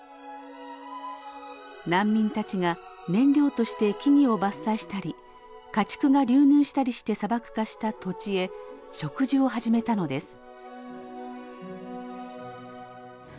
難民たちが燃料として木々を伐採したり家畜が流入したりして砂漠化した土地へ植樹を始めたのです。